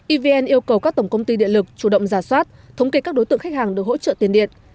evn yêu cầu các tổng công ty điện lực chủ động giả soát thống kê các đối tượng khách hàng được hỗ trợ tiền điện